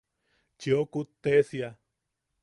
¡Chiʼokuktesia!